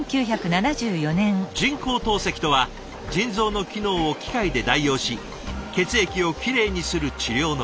人工透析とは腎臓の機能を機械で代用し血液をきれいにする治療のこと。